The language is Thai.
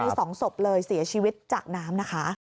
มี๒ศพเลยเสียชีวิตจากน้ำนะคะ